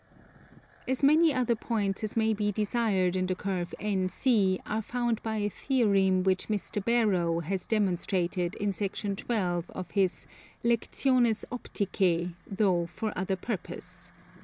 As many other points as may be desired in the curve NC are found by a Theorem which Mr. Barrow has demonstrated in section 12 of his Lectiones Opticae, though for another purpose.